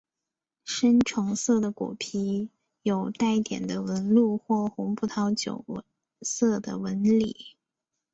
深橙色的果皮有带点的纹路或红葡萄酒色的纹理。